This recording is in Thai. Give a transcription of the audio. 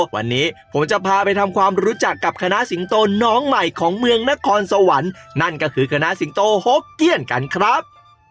วันนี้ผมจะพาไปทำความรู้จักกับคณะสิงโตน้องใหม่ของเมืองนครสวรรค์นั่นก็คือคณะสิงโตหกเกี้ยนกันครับ